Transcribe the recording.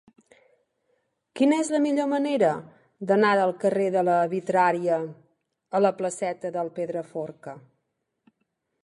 Quina és la millor manera d'anar del carrer de la Vitrària a la placeta del Pedraforca?